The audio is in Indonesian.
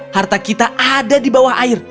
harta kita ada di bawah air